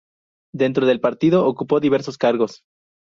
Dentro del partido ocupó diversos cargos.